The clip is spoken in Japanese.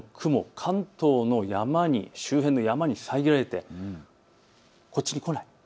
関東の周辺の山に遮られてこっちに来ない。